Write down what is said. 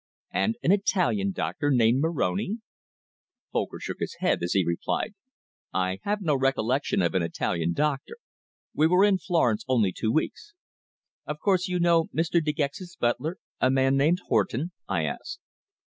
"And an Italian doctor named Moroni?" Folcker shook his head, as he replied: "I have no recollection of an Italian doctor. We were in Florence only two weeks." "Of course you know Mr. De Gex's butler, a man named Horton?" I asked.